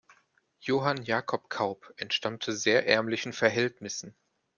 Johann Jakob Kaup entstammte sehr ärmlichen Verhältnissen.